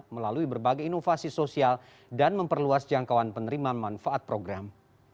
melalui berbagai inovasi sosial dan memperluas jangkauan penerimaan manfaat program